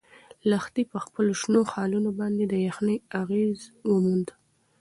لښتې په خپلو شنو خالونو باندې د یخنۍ اغیز وموند.